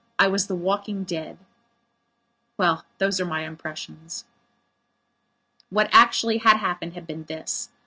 I was the walking dead. Well, those are my impressions. What had actually happened had been this.